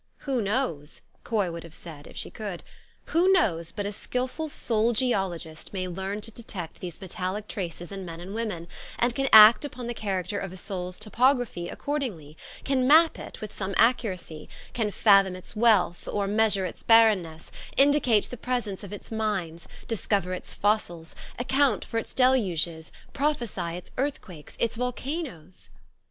" Who knows, " Coy would have said if she could, "who knows but a skilful soul geologist may learn to detect these metallic traces in men and women, and can act upon the character of a soul's topograph} 7 accord ingly, can map it with some accuracy, can fathom its wealth, or measure its barrenness, indicate the presence of its mines, discover its fossils, account for its deluges, prophesy its earthquakes, its volca noes